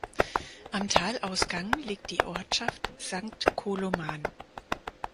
Am Talausgang liegt die Ortschaft Sankt Koloman.